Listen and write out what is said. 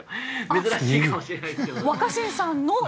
珍しいかもしれないですが。